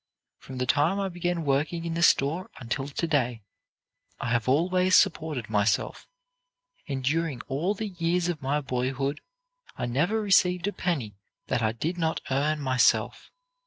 "From the time I began working in the store until to day, I have always supported myself, and during all the years of my boyhood I never received a penny that I did not earn myself.